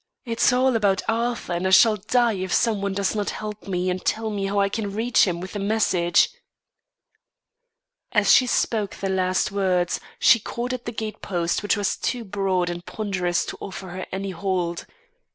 It's all about Arthur, and I shall die if some one does not help me and tell me how I can reach him with a message." As she spoke the last words, she caught at the gatepost which was too broad and ponderous to offer her any hold.